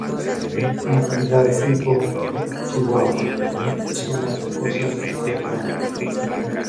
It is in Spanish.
Localidad tipo: Chihuahua: Zonas rocosas dela Sierra Madre.